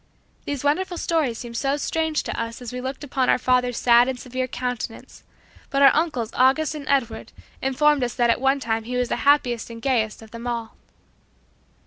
These wonderful stories seemed so strange to us as we looked upon our father's sad and severe countenance; but our uncles August and Edward informed us that at one time he was the happiest and gayest of them all.